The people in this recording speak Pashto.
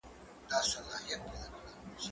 که وخت وي، شګه پاکوم!.